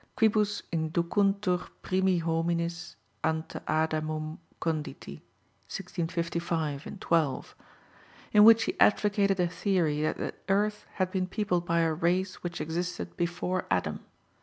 Quibus inducuntur primi homines ante Adamum conditi_ (1655, in 12), in which he advocated a theory that the earth had been peopled by a race which existed before Adam.